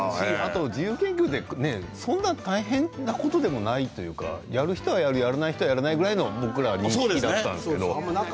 自由研究ってそんなに大変なことでもないというかやる人はやる、やらない人はやらないような感じでしたけどね。